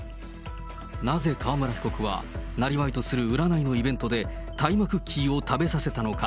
なぜ川村被告は、なりわいとする占いのイベントで大麻クッキーを食べさせたのか。